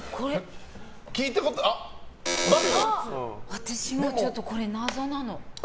私もちょっとこれ謎なの。